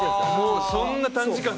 もうそんな短時間で。